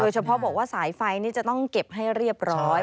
เฉพาะบอกว่าสายไฟนี่จะต้องเก็บให้เรียบร้อย